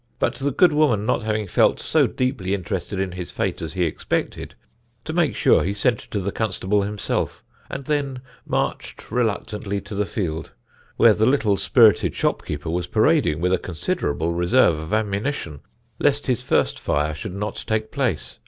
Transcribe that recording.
But the good woman not having felt so deeply interested in his fate as he expected, to make sure, he sent to the Constable himself, and then marched reluctantly to the field, where the little, spirited shopkeeper was parading with a considerable reserve of ammunition, lest his first fire should not take place.